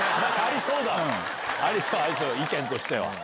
ありそう意見としては。